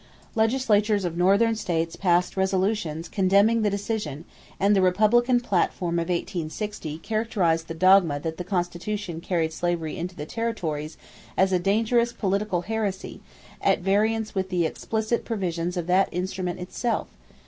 Legislatures of Northern states passed resolutions condemning the decision and the Republican platform of 1860 characterized the dogma that the Constitution carried slavery into the territories as "a dangerous political heresy at variance with the explicit provisions of that instrument itself